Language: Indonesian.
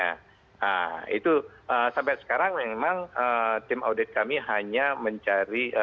nah itu sampai sekarang memang tim audit kami hanya mencari